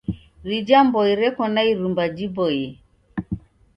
Rija mboi reko na irumba jiboie.